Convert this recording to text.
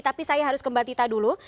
tapi saya harus ke mbak tita dulu